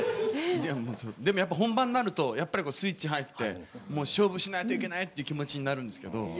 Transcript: でも、本番になるとスイッチ入って勝負しないといけないって気持ちになるんですけど。